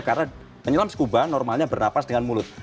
karena penyelam scuba normalnya bernapas dengan mulut